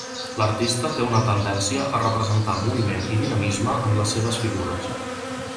L’artista té una tendència a representar moviment i dinamisme en les seves figures.